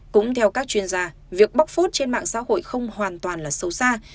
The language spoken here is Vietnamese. cũng theo các chuyên gia việc bóc phốt trên mạng xã hội không hoàn toàn là sâu xa